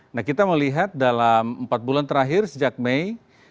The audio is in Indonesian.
nah kita melihat dalam empat bulan terakhir sejak mei